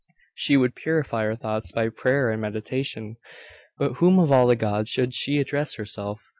She would purify her thoughts by prayer and meditation. But to whom of all the gods should she address herself?